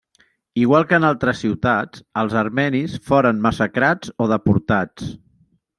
Igual que en altres ciutats els armenis foren massacrats o deportats.